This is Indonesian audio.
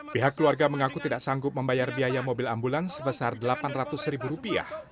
pihak keluarga mengaku tidak sanggup membayar biaya mobil ambulans sebesar rp delapan ratus